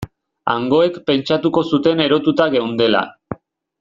Hangoek pentsatuko zuten erotuta geundela.